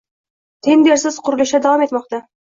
Tendersiz qurilishlar davom etmoqdang